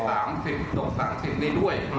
มันสอดคล้องกันด้วย